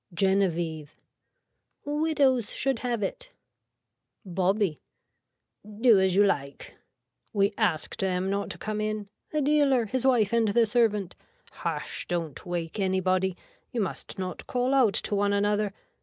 (Genevieve.) Widows should have it. (Bobbie.) Do as you like. We asked them not to come in. The dealer his wife and the servant. Hush don't wake anybody. You must not call out to one another.